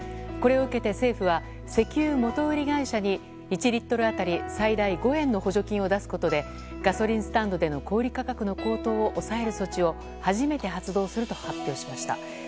これを受けて、政府は石油元売り会社に１リットル当たり最大５円の補助金を出すことでガソリンスタンドでの小売価格の高騰を抑える措置を初めて発動すると発表しました。